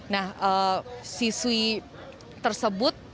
nah siswi tersebut tertibang